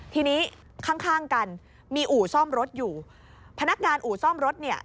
ทีนี้ข้างข้างกันมีอู่ซ่อมรถอยู่พนักงานอู่ซ่อมรถเนี่ย